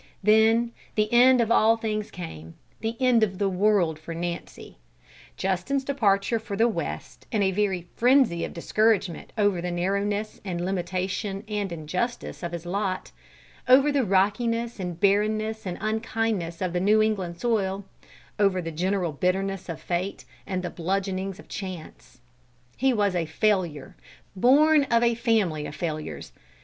Then the end of all things came, the end of the world for Nancy: Justin's departure for the West in a very frenzy of discouragement over the narrowness and limitation and injustice of his lot; over the rockiness and barrenness and unkindness of the New England soil; over the general bitterness of fate and the "bludgeonings of chance." He was a failure, born of a family of failures.